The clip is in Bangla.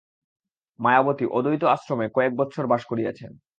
মায়াবতী অদ্বৈত আশ্রমে কয়েক বৎসর বাস করিয়াছিলেন।